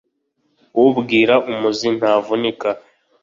Ubwira umuzi ntavunika.